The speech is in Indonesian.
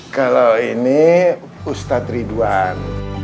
kalau ini ustadz ridwan